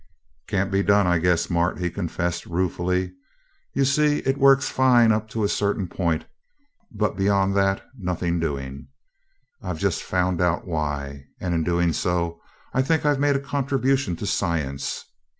"Can't be done, I guess, Mart," he confessed, ruefully. "You see, it works fine up to a certain point; but beyond that, nothing doing. I've just found out why and in so doing, I think I've made a contribution to science.